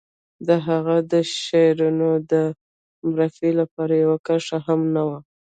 د هغه د شعرونو د معرفي لپاره يوه کرښه هم نه وه.